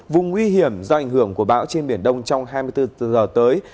vùng nguy hiểm do ảnh hưởng của bão trên biển đông trong hai mươi bốn h tới